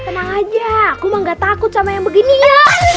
tenang aja aku emang gak takut sama yang begini ya